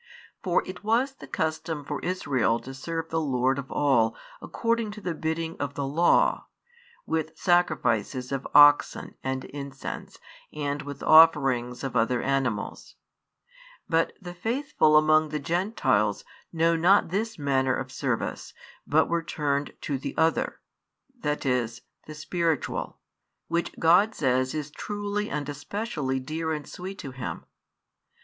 For it was the custom for Israel to serve the Lord of all according to the bidding of the Law, with sacrifices of oxen and incense and with offerings of other animals; but the faithful among the Gentiles know not this manner of service but were turned |58 to the other, that is, the spiritual, which God says is truly and especially dear and sweet to Him.